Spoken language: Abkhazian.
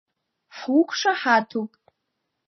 Ҳуқәшаҳаҭуп!